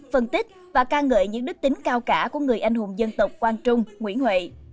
phân tích và ca ngợi những đức tính cao cả của người anh hùng dân tộc quang trung nguyễn huệ